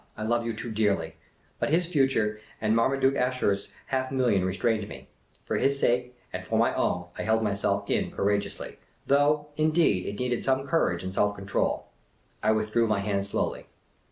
I love you too dearly !" But his future and Marmaduke Ashurst's half million restrained me ; for his sake and for my own I held myself in courageously ; though, indeed, it needed some courage and self control. I withdrew my hand slowly.